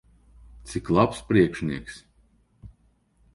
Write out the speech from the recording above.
Cik labs priekšnieks!